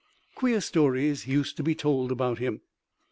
Queer stories used to be told about him.